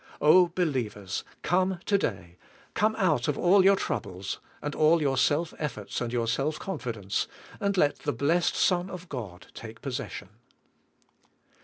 Oh, believers, come to day; come out of all your troubles, and all your self efforts and your self confidence, and let the blessed Son of God take possesion.